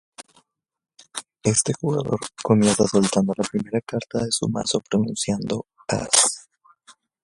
Este jugador comienza soltando la primera carta de su mazo pronunciando "As".